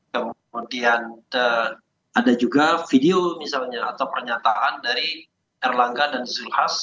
kemudian ada juga video misalnya atau pernyataan dari erlangga dan zulkifli hasan